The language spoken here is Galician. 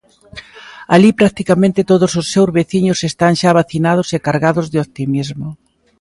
Alí practicamente todos os seus veciños están xa vacinados e cargados de optimismo.